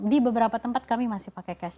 di beberapa tempat kami masih pakai cash